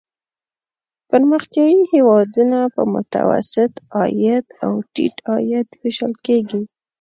پرمختیايي هېوادونه په متوسط عاید او ټیټ عاید ویشل کیږي.